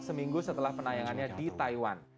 seminggu setelah penayangannya di taiwan